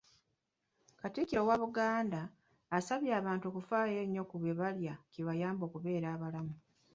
Katikkiro wa Buganda, asabye abantu okufaayo ennyo ku bye balya kibayambe okubeera abalamu.